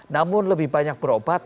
namun lebih banyak berobat